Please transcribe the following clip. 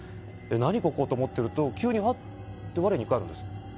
何ここ？と思っていると急に、はっと我に返るんです。